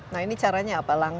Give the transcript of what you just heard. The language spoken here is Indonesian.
nah ini caranya apa langkah